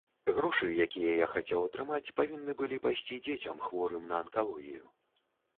Грошы, якія я хацеў атрымаць, павінны былі пайсці дзецям, хворым на анкалогію.